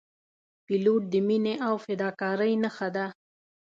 پیلوټ د مینې او فداکارۍ نښه ده.